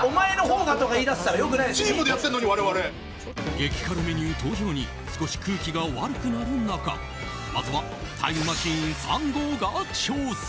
激辛メニュー登場に少し空気が悪くなる中まずはタイムマシーン３号が挑戦。